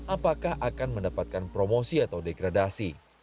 apakah akan mendapatkan promosi atau degradasi